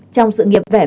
trong sự nghiệp vẻ vui